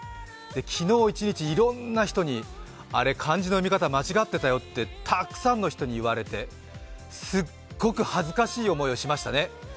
昨日一日、いろんな人に、あれ漢字の読み方間違ってたよとたくさんの人に言われてすっごく恥ずかしい思いをしましたね。